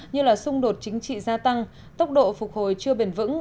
như là xung đột chính trị gia tăng tốc độ phục hồi chưa bền vững